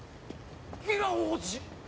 ギラ王子？